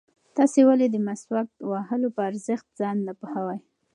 تاسې ولې د مسواک وهلو په ارزښت ځان نه پوهوئ؟